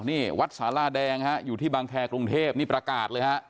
นี่วัดสาราแดงฮะอยู่ที่บางแครกรุงเทพนี่ประกาศเลยฮะ